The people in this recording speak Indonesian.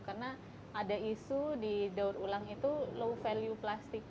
karena ada isu didaur ulang itu low value plastik